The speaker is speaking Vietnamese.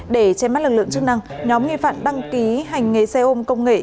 để che mắt lực lượng chức năng nhóm nghi phạm đăng ký hành nghề xe ôm công nghệ